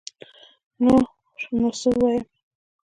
نور نو سه ووايم